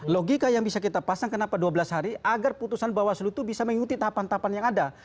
logika yang bisa kita pasang kenapa dua belas hari agar putusan bawaslu itu bisa mengikuti tahapan tahapan yang ada